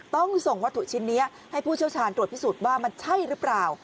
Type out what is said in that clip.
ต้องส่งวัตถุชิ้นนี้ให้ผู้เชี่ยวชาญตรวจพิสูจน์ว่ามันใช่หรือเปล่า